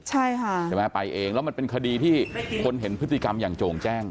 ใช่ค่ะใช่ไหมไปเองแล้วมันเป็นคดีที่คนเห็นพฤติกรรมอย่างโจ่งแจ้ง